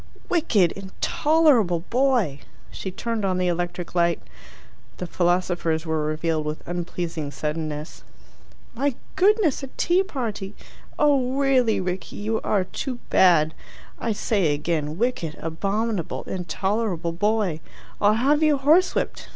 "Wicked, intolerable boy!" She turned on the electric light. The philosophers were revealed with unpleasing suddenness. "My goodness, a tea party! Oh really, Rickie, you are too bad! I say again: wicked, abominable, intolerable boy! I'll have you horsewhipped.